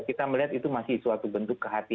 kita melihat itu masih suatu bentuk kehatian